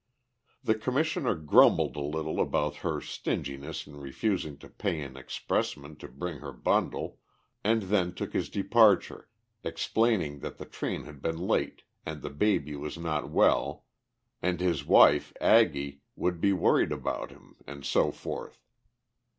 The Commissioner grumbled a little about her stinginess in refusing to pay an expressman to bring her bundle, and then took his departure, explaining that the train had been late, and the baby was not well, and his wife, Aggie, would be worried about him, and so forth.